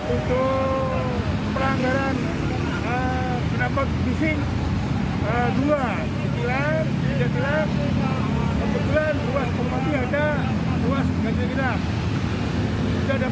untuk peranggaran kenal kod bising dua di kilang tiga di kilang kebetulan ruas kompati ada ruas gajah kilang